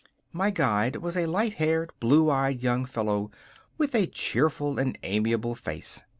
My guide was a light haired, blue eyed young fellow with a cheerful and amiable face.